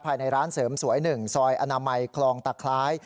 ภายในร้านเสริมสวย๑ซอยอนามัยคลองตะคล้าย